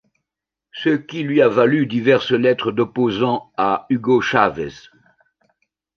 Ce qui lui a valu diverses lettres d'opposants à Hugo Chávez.